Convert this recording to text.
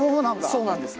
そうなんです。